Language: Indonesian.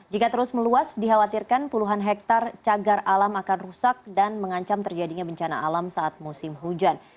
jika terus meluas dikhawatirkan puluhan hektare cagar alam akan rusak dan mengancam terjadinya bencana alam saat musim hujan